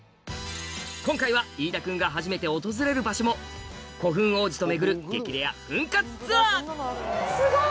今回は飯田君が初めて訪れる場所も古墳王子と巡る激レア墳活ツアー